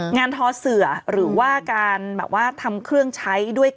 งานทอเสื่อหรือว่าการทำเครื่องใช้ด้วย